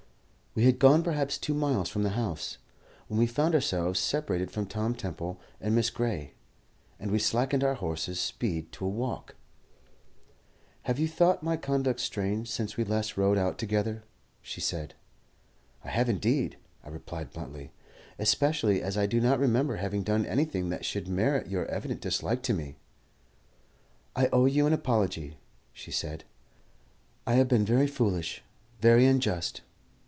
We had gone perhaps two miles from the house, when we found ourselves separated from Tom Temple and Miss Gray, and we slackened our horses' speed to a walk. "Have you thought my conduct strange since we last rode out together?" she said. "I have indeed," I replied bluntly, "especially as I do not remember having done anything that should merit your evident dislike to me." "I owe you an apology," she said. "I have been very foolish, very unjust.